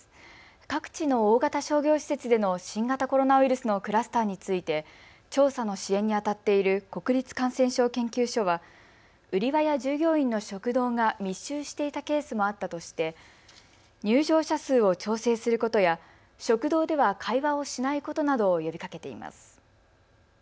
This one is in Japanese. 各地の大型商業施設での新型コロナウイルスのクラスターについて調査の支援にあたっている国立感染症研究所は売り場や従業員の食堂が密集していたケースもあったとして入場者数を調整することや食堂では会話をしないことなどを呼びかけています。